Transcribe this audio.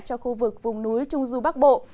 cho khu vực vùng núi trung du bắc bộ